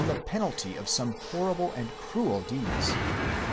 the penalty of some horrible and cruel _ deeds.